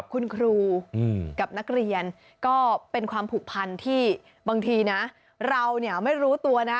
คุณครูกับนักเรียนก็เป็นความผูกพันที่บางทีนะเราเนี่ยไม่รู้ตัวนะ